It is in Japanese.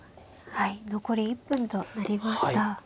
はい残り１分となりました。